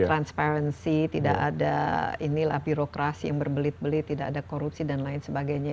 transparency tidak ada inilah birokrasi yang berbelit belit tidak ada korupsi dan lain sebagainya